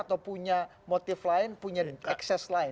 atau punya motif lain punya ekses lain